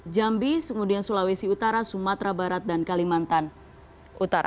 jambi kemudian sulawesi utara sumatera barat dan kalimantan utara